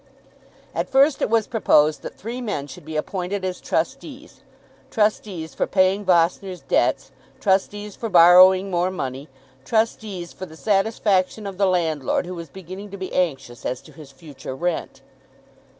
At first it was proposed that three men should be appointed as trustees, trustees for paying Vossner's debts, trustees for borrowing more money, trustees for the satisfaction of the landlord who was beginning to be anxious as to his future rent.